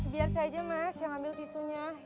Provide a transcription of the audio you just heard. biar saja mas yang ambil tisunya